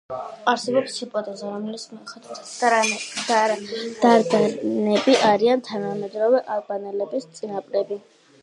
არსებობს ჰიპოთეზა, რომლის მიხედვითაც დარდანები არიან თანამედროვე ალბანელების წინაპრები.